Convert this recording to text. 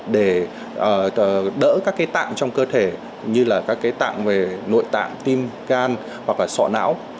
để đỡ các tạng trong cơ thể như các tạng về nội tạng tim gan hoặc sọ não